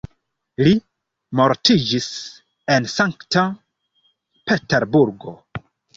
Li mortiĝis en Sankta Peterburgo.